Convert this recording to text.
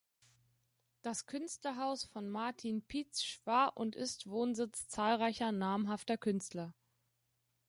Das Künstlerhaus von Martin Pietzsch war und ist Wohnsitz zahlreicher namhafter Künstler.